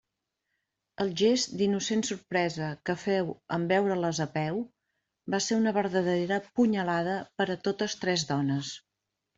El gest d'innocent sorpresa que féu en veure-les a peu, va ser una verdadera punyalada per a totes tres dones.